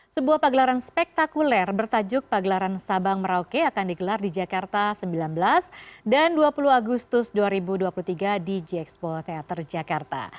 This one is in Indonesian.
sebuah pagelaran spektakuler bertajuk pagelaran sabang merauke akan digelar di jakarta sembilan belas dan dua puluh agustus dua ribu dua puluh tiga di gxpo teater jakarta